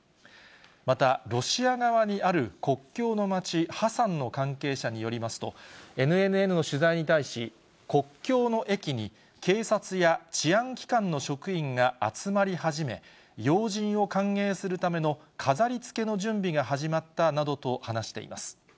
また、ロシア側にある国境の町、ハサンの関係者によりますと、ＮＮＮの取材に対し、国境の駅に警察や治安機関の職員が集まり始め、要人を歓迎するための飾りつけの準備が始まったなどと話しています。